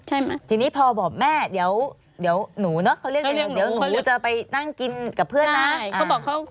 ทีนี้พอบอกแม่เดี๋ยวหนูเนอะเขาเรียกในเรื่องเดี๋ยวหนูจะไปนั่งกินกับเพื่อนนะ